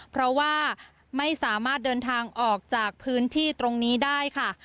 เพราะว่าไม่สามารถเดินทางออกจากพื้นที่ตรงนี้ได้ค่ะ